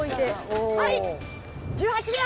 １８秒。